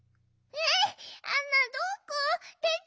えっ？